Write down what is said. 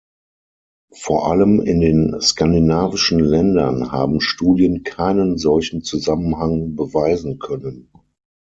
Vor allem in den skandinavischen Ländern haben Studien keinen solchen Zusammenhang beweisen können.